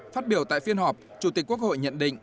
phát biểu tại phiên họp chủ tịch quốc hội nhận định